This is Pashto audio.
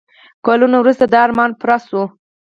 کلونه وروسته دا ارمان پوره شو.